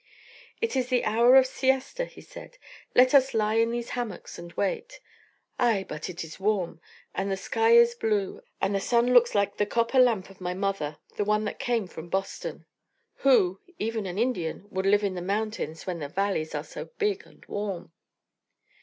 "It is the hour of siesta," he said. "Let us lie in these hammocks and wait. Ay! but it is warm, and the sky is blue, and the sun looks like the copper lamp of my mother the one that came from Boston. Who even an Indian would live in the mountains when the valleys are so big and warm?"